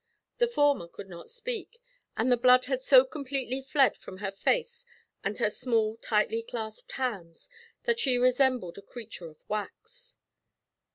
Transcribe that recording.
The former could not speak, and the blood had so completely fled from her face and her small tightly clasped hands that she resembled a creature of wax.